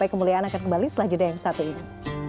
keadaan akan kembali selanjutnya yang satu ini